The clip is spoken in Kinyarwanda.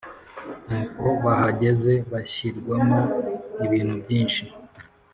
nuko bahageze bashyirwamo ibintu byinshi.